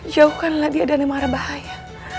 jauhkanlah dia dari mara bahaya